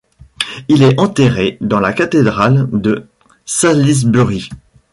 Il est enterré dans la cathédrale de Salisbury.